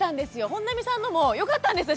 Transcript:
本並さんのもよかったんですよ